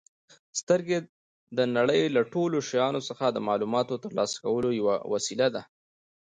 سترګې د نړۍ له ټولو شیانو څخه د معلوماتو ترلاسه کولو یوه وسیله ده.